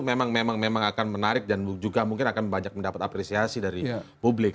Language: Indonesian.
memang memang akan menarik dan juga mungkin akan banyak mendapat apresiasi dari publik